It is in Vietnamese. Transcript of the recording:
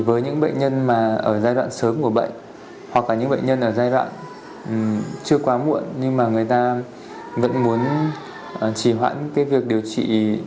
với những bệnh nhân mà ở giai đoạn sớm của bệnh hoặc là những bệnh nhân ở giai đoạn chưa quá muộn nhưng mà người ta vẫn muốn chỉ hoãn cái việc điều trị